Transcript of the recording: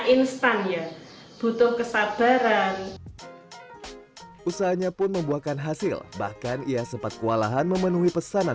instan ya butuh kesabaran usahanya pun membuahkan hasil bahkan ia sempat kewalahan memenuhi pesanan